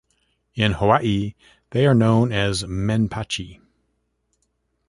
In Hawaii, they are known as "menpachi".